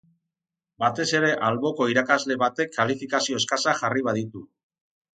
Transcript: Batez ere alboko irakasle batek kalifikazio eskasak jarri baditu.